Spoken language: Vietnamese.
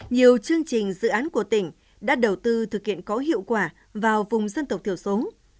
nhiều chương trình dự án của tỉnh đã đầu tư thực hiện có hiệu quả vào vùng dân tộc thiểu số